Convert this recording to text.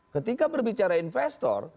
ketika berbicara investor